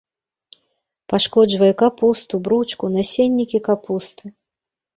Пашкоджвае капусту, бручку, насеннікі капусты.